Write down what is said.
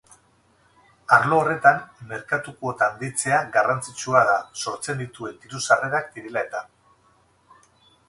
Arlo horretan merkatu-kuota handitzea garrantzitsua da sortzen dituen diru-sarrerak direla eta.